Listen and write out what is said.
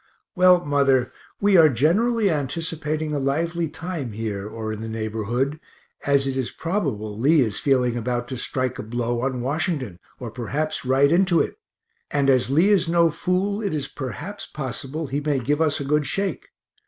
Well, mother, we are generally anticipating a lively time here, or in the neighborhood, as it is probable Lee is feeling about to strike a blow on Washington, or perhaps right into it and as Lee is no fool, it is perhaps possible he may give us a good shake.